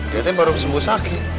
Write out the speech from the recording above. dia itu baru sembuh sakit